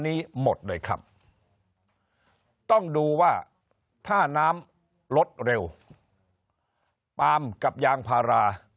นี้หมดเลยครับต้องดูว่าถ้าน้ำลดเร็วปาล์มกับยางพารา